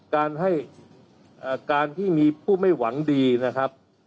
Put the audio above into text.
การให้การที่มีผู้ไม่หวังดีนะครับ